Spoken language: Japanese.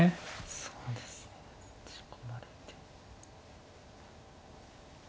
そうですね打ち込まれて。